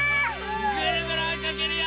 ぐるぐるおいかけるよ！